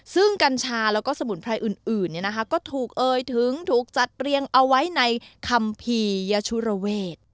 ซึ่งกัญชาแล้วก็สมุนไพรอื่นก็ถูกเอ่ยถึงถูกจัดเรียงเอาไว้ในคัมภียชุระเวท